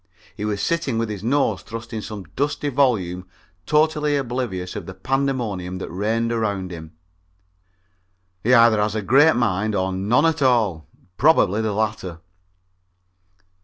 He was sitting with his nose thrust in some dusty volume totally oblivious of the pandemonium that reigned around him. He either has a great mind or none at all probably the latter.